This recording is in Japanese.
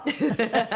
ハハハハ！